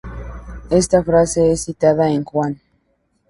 Esta frase es citada en Juan.